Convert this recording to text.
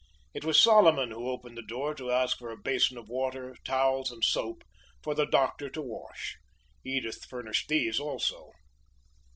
It was Solomon who opened the door to ask for a basin of water, towels and soap, for the doctor to wash. Edith furnished these also.